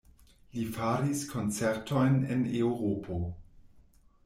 Li faris koncertojn en Eŭropo.